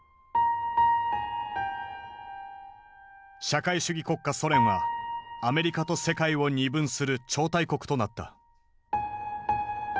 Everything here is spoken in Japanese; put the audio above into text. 社会主義国家ソ連はアメリカと世界を二分する超大国となった。